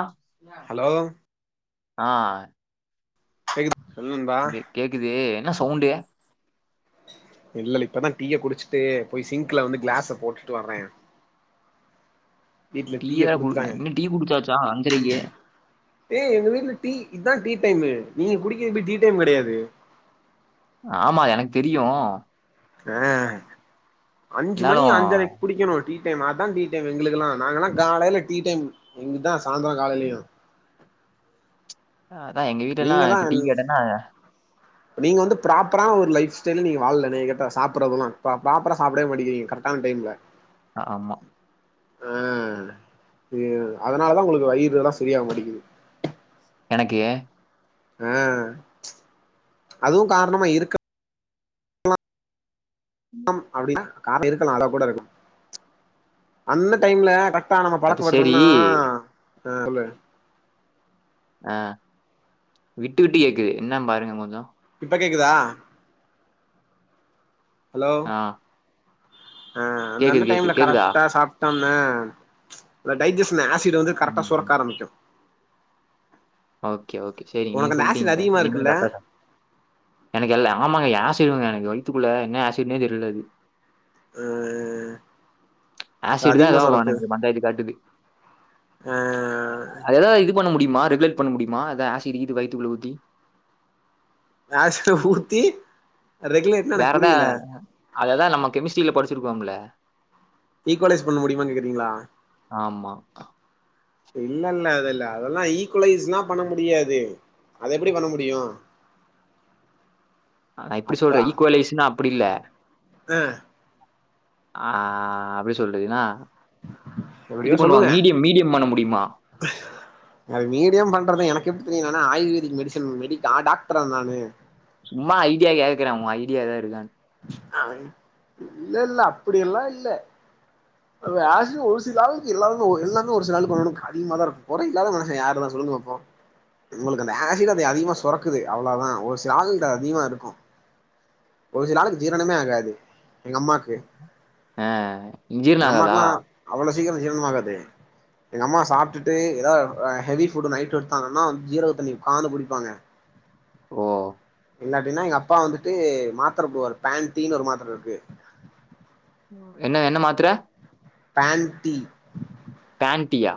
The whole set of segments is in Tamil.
ஆ ஹலோ ஆ செய்து சொல்லு நண்பா கே கேக்குது என்ன சவுண்டு இல்ல இல்ல இப்பதா டீய குடிச்சுட்டு போய் சிங்க்ல வந்து கிளாஸ போட்டுட்டு வர்ற டீ டீய தா குடுக்ல குடுத்துட்டாங்க என்ன டீ குடுச்சாச்சா அஞ்சரைக்கே ஏய் எங்க வீ்ட்ல டீ இதுதா டீ டைம்மு நீங்க குடிக்கப்ப டீ டைம் கிடையாது ஆமா எனக்கு தெரியும் அ அஞ்சு மணி இருந்தாலும் அஞ்சரை குடிக்கணும் டீ டைம் அதான் டீ டைம்மு எங்களுக்குலா நாங்கள்லா காலையில டீ டைம் எங்களுக்குதா சாயந்தரம் காலையிலையு அதான் எங்க வீட்டுல்லலா நீங்க தா இப்ப டீ கேட்டனா நீங்க வந்து ப்ராப்பரான ஒரு லைஃப் ஸ்டைல் நீங்க வாழல என்னைய கேட்டா சாப்புடுறதெல்லா ப்ராப்பரா சாப்டவே மாட்டிக்கீங்க கரெக்டான டைம்ல ஆமா ஆ அதனால தா உங்களுக்கு வயிறுல்லா சரியாக மாட்டிக்குது எனக்கு ஆ அதுவும் காரணமா இருக்க லாம் அப்படின்னா காரணம் இருக்கலாம் அதா கூட இருக்கலா அந்த டைம்ல க இப் நம்ம அது சரி பழக்கப்படுத்தணோம்னா ம் சொல்லு ஆ விட்டு விட்டு கேக்குது என்ன பாருங்க கொஞ்சோ இப்ப கேக்குதா ஹலோ ஆ ஆ கேக்குது அந்தந்த கேக்குது. டைம்ல கேக்குதா? கரெக்டா சாப் சாப்ட்டோம்னா டைஜஷன் ஆசிட் வந்து கரெக்டா சுரக்க ஆரம்பிக்கும் ஓகே ஓகே செரி நீங் உனக்கு அந்த ஆசிட் சொல்லிட்டீங்ளா அதிகமா இனிமேல் இருக்குல்ல கர்ட்டா சாப்டுவே எனக்கு எல்ல ஆமாங்க ஆசிடடுங்க எனக்கு வயித்துக்குள்ள என்ன ஆசிடன்னே தெரியலது அ ஆசிட் தா எதாவ வொனக்கு பஞ்சாயத்து காட்டுது ஆ அத எதாவ இது பண்ண முடியு ரெகுலேட் பண்ண முடியுமா அத ஆசிடிகிது வய்த்துக்குள்ள ஊத்தி ஆசிட்ட ஊத்தி ரெகுலேட்ன வேற எனக்கு எதா புரியல அததா நம்ம கெமிஸ்டரில படிச்சிருக்கோம்ல ஈக்குவலைஸ் பண்ண முடியுமான் கேக்குறீங்களா ஆமா. இல்ல இல்ல அத இல்ல அதெல்லா ஈக்குவலைஸ்லா பண்ண முடியாது அதத எப்டி பண்ண முடியு ஆா இப்டி அப்பா சொல்றே ஈக்குவலைஸ்னா அப்டி இல்ல ஆ ஆஹ் எப்டி சொல்றதுனா இது எப்டியோ சொல்லுங்க பண்ணுவாங்க மீடியம் மீடியம் பண்ண முடியுமா அது மீடியம் பண்றது எனக்கு எப்டி தெரியு நான்னா ஆயுர்வேதிக் மெடிசன் மெடி ஆ டாக்டரா நானு சும்மா ஐடியா கேக்கறா உன் ஐடியா எதா இருக்கான்னு ஹ இல்ல இல்ல அப்புடியெல்லா இல்ல அது ஆசிட் ஒரு சில ஆளுக்கு எல்லாரரு எல்லாமே ஒரு சில ஆளுக்கு ஒன்னு ஒன்னுக்கு அதிகமா தா இருக்குமகுறை இல்லாத மனுசன் யாரு தா சொல்லுங்க பாப்போம் உங்ளுக்கு அந்த ஆசிட் அது அதிகமா சுரக்குது அவ்ளோதா ஒரு சில ஆளுக்கு அதிகமா இருக்கு ஒரு சில ஆளுக்கு ஜீரணமே ஆகாது எங்கம்மாக்கு ஆஹ் எங்கம்மாக்குல்லா அவ்ளோ சீக்கிரம் ஜீரனமாகாது எங்க அம்மா சாப்ட்டுடு எதாது ஹெவி ஃபுட்டு நைட்டு எடுத்தாங்கன்னா ஜீரக தண்ணி உக்காந்து குடிப்பாங்க ஓ இல்லடினா எங்க அப்பா வந்துட்டு மாத்திர போவாரு பேண்ட்டீன்னு ஒரு மாத்திர இருக்கு என்ன என்ன மாத்திர பேண்டி பேன்டியா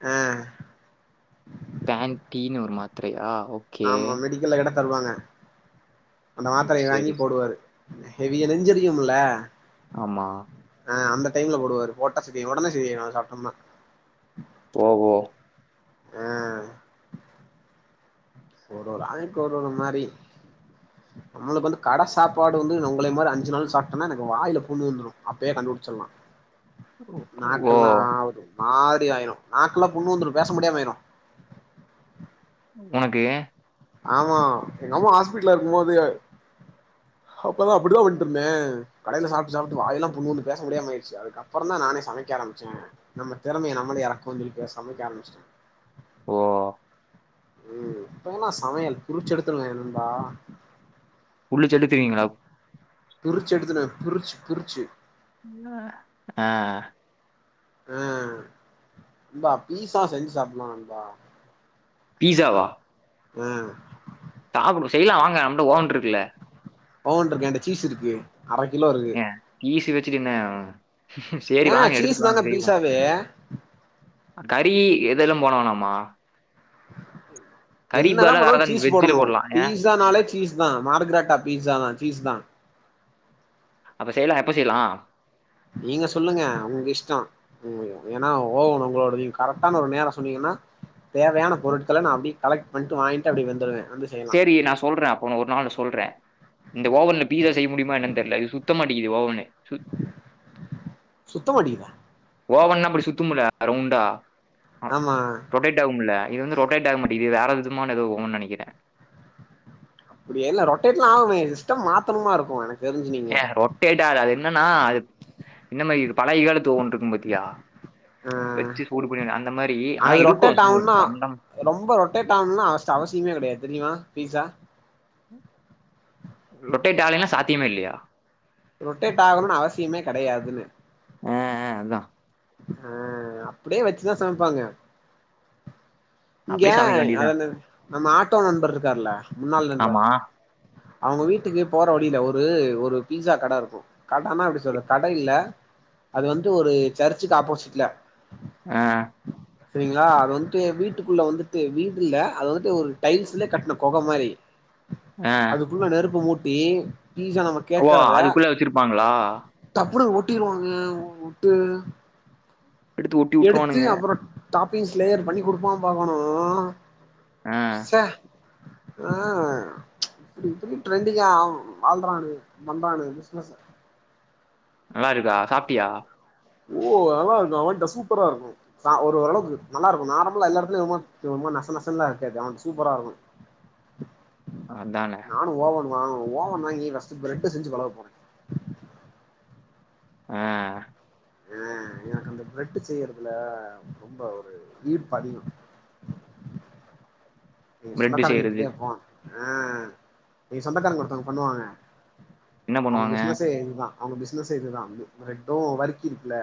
அ பேன் டீன்னு ஒரு மாத்திரையா ஓ ஆமா மெடிக்கல்ல கேட்டா தருவாங்க அந்த ஓ! மாத்திரைய சரி, வாங்கி சரி. போடுவாரு ஹெவிய நெஞ்செரியும்ல ஆமா ஆஹ் அந்த டைம்ல போடுவாரு போட்டா சரி உடனே சரியாயிடு சாப்டம்னா ஓ ஹோ அஹ் ஒரு ஒரு ஆளுக்கு ஒரு ஒரு மாரி நம்ளுக்கு வந்து கடை சாப்பாடு வந்து உங்களே மாரி அஞ்சு நாள் சாப்டோனா எனக்கு வாயில புண்ணு வந்துரு அப்பயே கண்டுபிடிச்சில்லா ஓ! நாக்கல்லா ஒரு மாதிரி ஆயிறு நாக்கெல்லா புண்ணு வந்துடு பேச முடியாம ஆயிரும் உனக்கு ஆமா எங்க அம்மா ஹாஸ்பிடல்ல இருக்கும் போது அப்பதா அப்டிதா பண்ட்டுஇருந்தே கடைல சாப்டு சாப்டு வாயெல்லா புண்ணு வந்து பேச முடியாம ஆயிருச்சு அதுக்கு அப்புறந் தா நானே சமைக்க ஆரம்பிச்சே நம்ம திறமைய நம்மளே இறக்குவோனு சொல்லி சமைக்க ஆரம்பிச்சே ஓ ம் இப்ப நா சமையல் பிரிச்சி எடுத்துருவே நண்பா உள்ளு செ எடுத்துவீங்களா பிரிச்சி எடுத்துருவே பிரிச்சி பிரிச்சி என்ன அ ஆ நண்பா பீஸா செஞ்சு சாப்புல்லா நண்பா பீஸாவா அ சாப்டு செய்யலா வாங்க நம்மட ஓவன் இருக்குல ஓவன் இருக்கு எண்ட சீஸ் இருக்கு அர கிலோ இருக்கு சீஸ் வச்சுட்டு என்ன சரி வாங்க எடுத்துட்டு வாங்க செய்வோ ப்பு கறி எதெல்லு போன வேனாமா என்னதா பதிலா வேற போட்டாலு ஏதாவது சீஸ் வெஜ்ஜில போடணு போடலாம் ஏன் பீஸானாலே சீஸ் தா மார்கரட்டா பீஸாதா சீஸ் தா அப்ப செய்யலா எப்ப செய்யலா நீங்க சொல்லுங்க உங்க இஷ்ட உ ஏனா ஓவன் உங்களோடது நீங்க கரெக்டான ஒரு நேர சொன்னீங்கன்னா தேவையான பொருட்கள நா அப்டி கலெக்ட் பண்ட்டு வாங்கிட்டு அப்டி வந்துடுவே அந்த செரி நா சொல்றே அப்ப ஒரு நாள் சொல்றே இந்த ஓவன்ல பீஸா செய்ய முடியமா என்னன்னு தெரியல இது சுத்தம்ட்ட இவா ஒன்னு சுத் சுத்த மாடிக்குதா ஓவன்னா அப்டி சுத்து முல ரவுண்டா ஆமா ரொட்டேட் ஆகும்ல இது வந்துட்டு ரொட்டேட் ஆகமாட்டிகிது இது வேற இதுமான எதோ ஒனுன் நனக்கிற அப்டியே இல்ல ரொட்டேட்லா ஆகுமே சிஸ்டம் மாத்தனுமா இருக்கு எனக்கு தெரிஞ்சு நீங்க ஏ ரொட்டேடா ஆகாது அது என்னன்னா அது இன்ன மாறி பழயகாலத் ஓன் இருக்கு பத்தியா ஆ வச்சி சூடு படி அந்த மாறி ஆனா அது இருக்கு ரொட்டேட் ஸ்பூன் ஆகுன்னா அந்த ரொம்ப ரொட்டேட் ஆகணுனா ஃபஸ்ட் அவ அவசியமே கெடையாது தெரியுமா பீசா ரொட்டேட் ஆவலைனா சாத்தியமே இல்லையா ரொட்டேட் ஆகணுனு அவசியமே கெடையாதுன்ன அ அ அதா அ அப்டியே வச்சுதா சமைப்பாங்க இங்க அப்படியே சமைக்க அத வேண்டியதுதான். அந்த நம்ம ஆட்டோ நண்பர் இருக்காருல முன்னாள் நண்பர் ஆமா. அவங்க வீட்டுக்கு போற வழியில ஒரு ஒரு பீஸா கட இருக்கு கடனா அப்டி சொல்றது கட இல்ல அது வந்து ஒரு சர்ச்சிக்கு ஆப்போசிட்ல அ சரிங்ளா அது வந்துட்டு வீட்டுக்குள்ள வந்துட்டு வீடுல்ல அது வந்துட்டு ஒரு டைல்சில கட்ன கொக மாறி அ உள்ள நெருப்பு மூட்டி பீசான மட் ஓ அதுக்குள்ள வச்சிருப்பாங்களா டப்புனு அத ஒட்டிருவாங்க ஒ ஒட்டு எடுத்து ஒட்டி எடுத்து உட்டுருவானுங்க. அப்றோ டாப்பிங்ஸ் லேயர் பண்ணி குடுப்பா பாக்கனு ஆ. ச ஆ இப்டி இப்டி ட்ரெண்டிங்கா ஆவனு வாழ்றானுங்க பண்றானுங்க பிசினஸ நல்லாருக்கா சாப்டியா ஓ நல்லாருக்கு அவன்ட சூப்பரா இருக்கு சா ஓரளவுக்கு நல்லாருக்கு நார்மலா எல்லா எடத்திலயு ஒரு மாரி சும்மா நச நசன்லா இருக்காது அவன்ட சூப்பரா இருக்கு அதான நானு ஓவன் வாங்கனு ஓவன் வாங்கி ஃபர்ஸ்டு் பிரெட்டு செஞ்சி பழக போற ஆ ஆ எனக்கு அந்த பிரட் செய்றதுல ரொம்ப ஒரு ஈர்ப்பு அதிக நீங்க பிரெட் சொந்தக்காரங்க செய்றது. வீட்டுக்கே போ அ நீங்க சொந்தக்காரங்க ஒருத்தவங்க பண்ணுவாங்க என்ன அவங்க பண்ணுவாங்க? பிசினசே இதுதா அவங்க பிசினசே இதுதா பிரட்டு வறுக்கி இருக்குல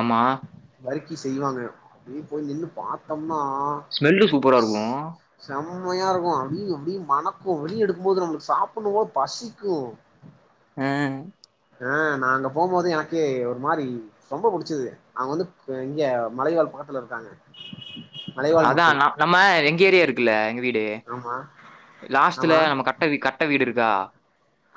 ஆமா வரிக்கி செய்வாங்க அப்டியே போய் நின்னு பாத்தம்னா ஸ்மெல்லு சூப்பரா இருக்கு செம்மையா இருக்கு அப்டி இப்டி மணக்கு வெளிய எடுக்குபோது நம்மளுக்கு சாப்புன்னுபோல பசிக்கு அ அ நா அங்க போம்போதே எனக்கே ஒரு மாரி ரொம்ப புடிச்சது அவங்க வந்து இங்க மலைவாழ் பக்கத்துல இருக்காங்க மலைவாழ் அதா மக்கள் நா நம்ம எங்க ஏரியா இருக்குல்ல எங்க வீடு ஆமா லாஸ்ட்ல ஆமா நம்ம கட்ட வீ கட்ட வீடு இருக்கா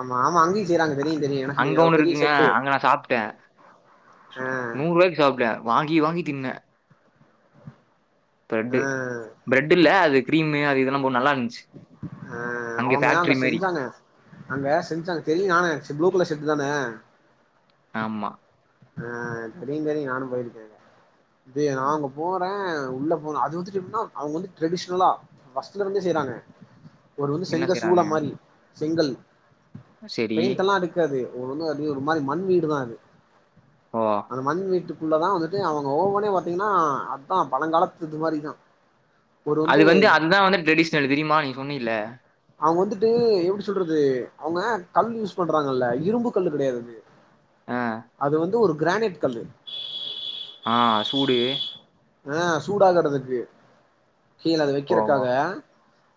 ஆமா ஆமா அங்கயு செய்றாங்க ஆ தெரியு தெரியு எனக்கு அங்க தெரியு அது ஒன்னு பெரிய இருக்குங்க செட்டு அங்க நா சாப்ட ஆ நூருபாய்க்கு சாப்ட வாங்கி வாங்கி தின்ன தர்டு ஆ பிரெட் இல்ல அது கிரீமு அது இதெல்லா போட்டு நல்லாருந்துச்சி அ அவங்க அங்க செஞ்சாங்க அங்க செஞ்சாங்க தெரியு நானாச்சு ப்ளூ கலர் செர்ட்டு தான ஆமா ஆ தெரியு தெரியு நானு போயிருக்கே அங்க இது நா ம். அங்க போறே உள்ள போனு அது வந்து அவுங்க வந்து ட்ரெடிஷ்னலா ஃபர்ஸ்ட்லந்தே செய்றாங்க ஒரு வந்து என்ன செங்க செய்றாங்க? சூல மாரி செங்கல் சரி. பெயிண்ட்டெல்லா அடுக்காது ஒரு வந்து அப்டியே ஒரு மாரி மண் வீடு தா அது ஓ அந்த மண் வீட்டுக்குள்ள தா வந்துட்டு அவுங்க ஓவனே பாத்தீங்கனா அதா பழங்காலத்து இது மாரி தா அது வந்து அதுதா வந்து ட்ரெடிஷ்னல் தெரிமா நீ சொன்னில அவுங்க வந்துட்டு எப்டி சொல்றது அவுங்க கல் யூஸ் பண்றாங்கல்ல இரும்பு கல்லு கெடையாது அது ஆ அது வந்து ஒரு கிரானைட் கல்லு ஆ சூடு ஆ சூடாகறதுக்கு கீழ அத ஓவா! வக்கறக்காக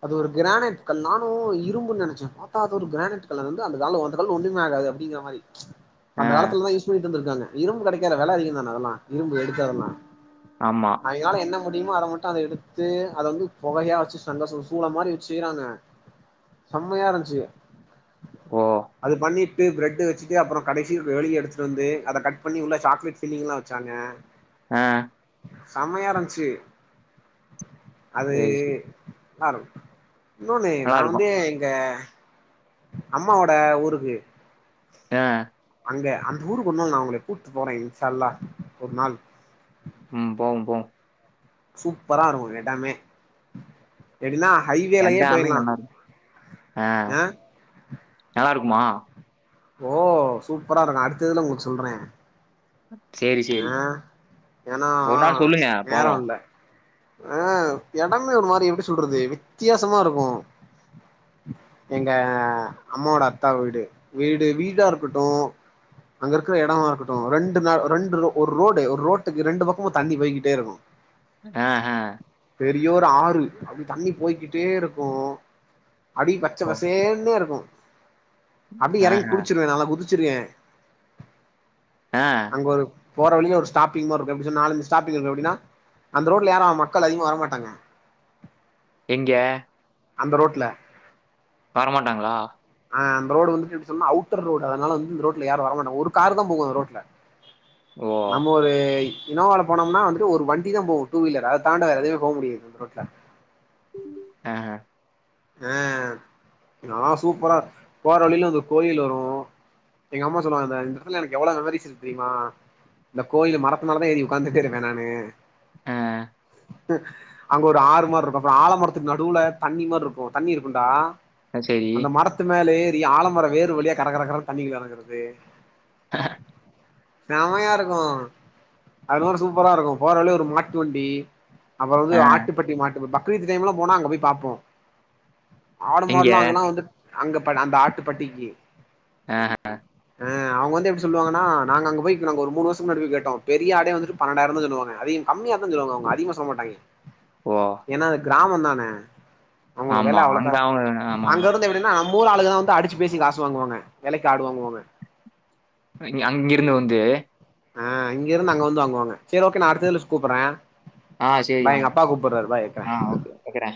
அது ஒரு கிரானைட்டு கல் நானு இரும்புனு நெனச்சே பாத்தா அது ஒரு கிரானைட் கல்லு அது வந்து அந்த கால அந்த கல்லு ஒன்னுமே ஆகாதுஅப்டிங்க மாரி அ, அந்த காலத்துலலா யூஸ் பண்ணிட்ருந்திருக்காங்க இரும்பு கெடைக்காதுல வெல அதிகதான அதெல்லா இரும்பு எடுக்குறதெல்லா ஆமா அவிங்கலால என்ன முடிமோ அர மட்டு அத எடுத்து அத வந்து பொகையா வச்சு செங்க சூ சூல மாரி வச்சு செய்றாங்க செம்மயாருந்துச்சு ஓ! அது பண்ணி ட்டு பிரெட்டு வச்சுட்டு அப்றோ கடைசி வெளிய எடுத்துட்டு வந்து அத கட் பண்ணி உள்ள சாக்லேட் ஃபில்லிங்லா வச்சாங்க ஆ செம்மயா இருந்ச்சு அது சரி, சரி. [unintelligible] இன்னொன்னு நா வந்து நல்லாருக்கும். எங்க அம்மாவோட ஊருக்கு ஆ அங்க அந்த ஊருக்கு ஒர் நாள் நா உங்கள கூட்டு போற இன்ஷால்லா ஒரு நாள் ம் போவோ போவோ சூப்பரா இருக்கு எடமே எப்டின்னா ஹைவேலயே எல்லாமே போயிர்லா நல்லாருக்கும். ஆ நல்லாருக்குமா ஓ சூப்பரா இருக்கு அடுத்த இதுல உங்களுக்கு சொல்றே சேரி ஆ ஏனா சொல்லுங்க நேரோ போவோம். இல்ல ஆ எடமே ஒரு மாரி எப்டி சொல்றது வித்தியாசமா இருக்கு எங்க அம்மாவோட அத்தா வீடு வீடு வீடா இருக்கட்டு அங்க இருக்குற எடமா இருக்கட்டு ரெண்டு நாள் ஃப்ரெண்டு ரோ ஒரு ரோடு ஒரு ரோட்டுக்கு ரெண்டு பக்கமு தண்ணி போய்கிட்டே இருக்கு ஆ ஹ பெரிய ஒரு ஆறு அப்டி தண்ணி போய்கிட்டே இருக்கு அப்டி பச்ச ஓகே. பசேன்னே இருக்கு அப்டியே எறங்கி ஆஹ. குளுச்சிருவ நாலா குதிச்சிருவே ஆ அங்க ஒரு போற வழியில ஒரு ஸ்டாப்பிங் மாரி இருக்கு எப்டி சொல் நாலஞ்சு ஸ்டாப்பிங் இருக்கு அப்டினா அந்த ரோட்ல யாரு மக்கள் அதிகமா வரமாட்டாங்க எங்க அந்த ரோட்ல வரமாட்டாங்களா ஆ அந்த ரோடு வந்துட்டு எப்டி சொன்னா அவுட்டர் ரோடு அதனால வந்து இந்த ரோட்ல யாரு வர மாட்டாங்க ஒரு காரு தா போகு அந்த ரோட்ல ஓ! நம்ம ஒரு இனோவால போனோம்னா வந்துட்டு ஒரு வண்டி தா போவு டூவீலர் அத தாண்ட வேற எதுமே போ முடியாது அந்த ரோட்ல ஆ ஆ நா சூப்பரா போற வழில அந்த கோயில் வரு எங்க அம்மா சொல்லுவாங்க இந்த இந்த எடத்துல ஏனக்கு எவ்ளோ மெமரிஸ் இருக்கு தெரிமா இந்த கோயிலு மரத்து மேல தா ஏறி உக்காந்துட்டே இருப்ப நானு ஆ அங்க ஒரு ஆறு மாரி இருக்கு ஆழ மரத்துக்கு நடுவுல தண்ணி மாரி இருக்கும் தண்ணி இருக்கும்டா சரி. அந்த மரத்து மேல ஏறி ஆலமர வேர் வழியா கற கற கறனு தண்ணிக்குள்ள எறங்குறது [unintelligible] செம்மையா இருக்கு அதுலா சூப்பரா ஊரு சூப்பரா இருக்கும் போற வழில ஒரு மாட்டு வண்டி அப்புற வந்து ஆ ஆட்டு பட்டி மாட்டு ஃபக்ரீத் டைம்லா போன அங்க போய் பாப்போ ஆடு எங்க? மாடுலா அங்கனா வந்து அங்க ப நம்ப ஆட்டுப்பட்டிக்கு ஆ ஆ அவுங்க வந்து எப்டி சொல்லுவாங்கனா நாங்க அங்க போயிக்கிறோங்க ஒரு மூணு வருஷத்துக்கு முன்னாடிபோய் கேட்டோ பெரிய ஆடே வந்துட்டு பன்னெண்டாயிரோ தா சொல்லுவாங்க அதிக கம்மியா தா சொல்லுவாங்க அவுங்க அதிகமா சொல்ல மாட்டாங்க ஓ ஏன்னா அது கிராமம் தான அவுங்களுக்கு ஆமா. வேல அங்க அவ்ளோக்கா அவங்க அங்க ஆமாமா. இருந்து ஏன்னா நம்ப ஊரு ஆளுங்க தா வந்து அடிச்சு பேசி காசு வாங்குவாங்க வெலைக்கு ஆடு வாங்குவாங்க அங்கிருந்து வந்து ஆ அங்கிருந்து அங்க வந்து வாங்குவாங்க சேரி ஓகே நா அடுத்த இதுல கூப்புறே ஆ பாய் எங்க அப்பா கூப்பறாரு பாய்யக்கா எங்கடா